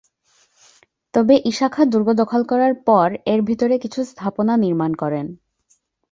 তবে ঈশা খাঁ দুর্গ দখল করার পর এর ভিতরে কিছু স্থাপনা নির্মাণ করেন।